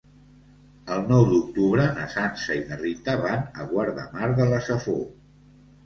El nou d'octubre na Sança i na Rita van a Guardamar de la Safor.